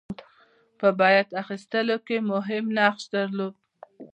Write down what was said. په بیعت اخیستلو کې مهم نقش درلود.